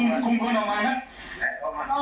เจรจาต่อรองเงินไป๕ล้านแลกกับการปล่อยตัว